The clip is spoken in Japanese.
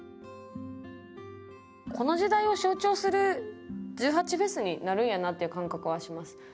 この時代を象徴する１８祭になるんやなっていう感覚はします。